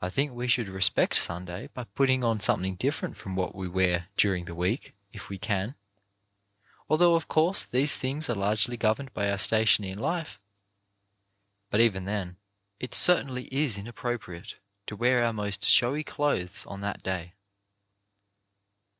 I think we should respect Sunday by putting on something different from what we wear during the week if we can — although of course these things are largely governed by our station in life — but even then it certainly is inappropriate to wear our most showy clothes on that day.